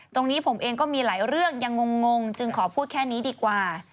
ตรงนี้ผมเองก็มีหลายเรื่องยังงงจึงขอพูดแค่นี้ดีกว่า